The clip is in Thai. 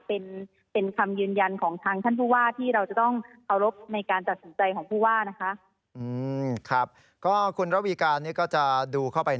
เป็นคำยืนยันของทางท่านผู้ว่าที่เราจะต้องเคารพในการตัดสินใจของผู้ว่านะคะ